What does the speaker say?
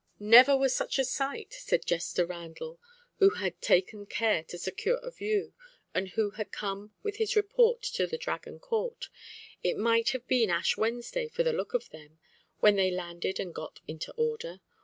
"Never was such a sight," said Jester Randall, who had taken care to secure a view, and who had come with his report to the Dragon court. "It might have been Ash Wednesday for the look of them, when they landed and got into order.